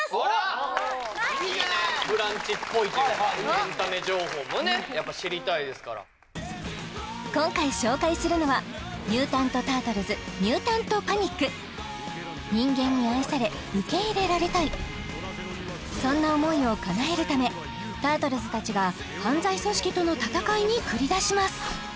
エンタメ情報もねやっぱ知りたいですから今回紹介するのは人間に愛され受け入れられたいそんな思いをかなえるためタートルズ達が犯罪組織との戦いに繰り出します